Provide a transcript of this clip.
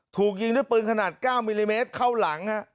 ถูกยิงด้วยปืนขนาด๙มิลลิเมตรเข้าหลัง